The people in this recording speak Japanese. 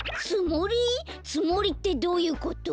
つもりってどういうこと？